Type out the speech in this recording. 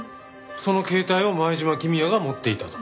その携帯を前島公也が持っていたと。